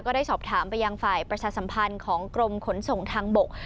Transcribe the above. ได้สอบถามไปยังฝ่ายประชาสัมพันธ์ของกรมขนส่งทางบก